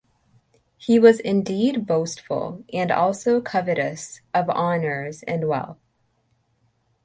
He was indeed boastful, and also covetous of honours and wealth.